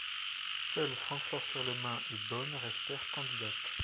Seules Francfort-sur-le-Main et Bonn restèrent candidates.